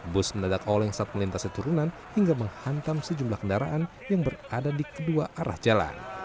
bus mendadak oleng saat melintasi turunan hingga menghantam sejumlah kendaraan yang berada di kedua arah jalan